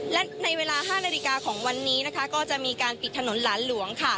และในเวลา๕นาฬิกาของวันนี้นะคะก็จะมีการปิดถนนหลานหลวงค่ะ